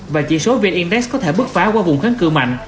và chỉ số vietindex có thể bước phá qua vùng kháng cự mạnh